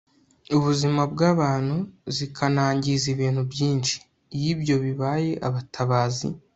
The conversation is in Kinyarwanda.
ubuzima bw'abantu zikanangiza ibintu byinshi. iyo ibyo bibaye abatabazi